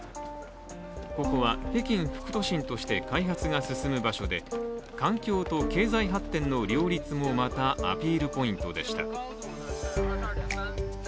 ここは北京副都心として開発が進む場所で環境と経済発展の両立もまたアピールポイントでした。